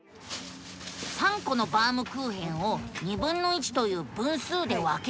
３コのバウムクーヘンをという分数で分けると。